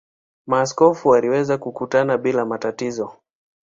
Maaskofu waliweza kukutana bila matatizo.